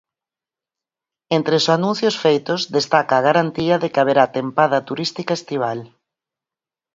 Entre os anuncios feitos, destaca a garantía de que haberá tempada turística estival.